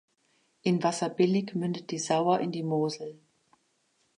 In Wasserbillig mündet die Sauer in die Mosel.